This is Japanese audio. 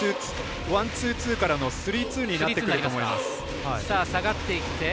ワンツーツーからのスリーツーになってくると思います。